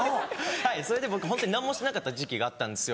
はいそれで僕何もしてなかった時期があったんですよ。